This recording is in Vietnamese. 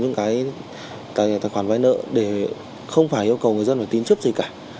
những cái tài khoản vai nợ để không phải yêu cầu người dân phải tiến chức gì cả